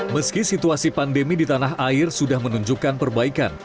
meski situasi pandemi di tanah air sudah menunjukkan perbaikan